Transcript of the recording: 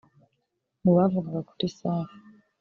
Mu bavugaga kuri Safi